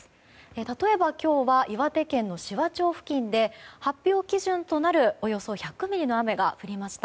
例えば今日は岩手県の紫波町付近で発表基準となるおよそ１００ミリの雨が降りました。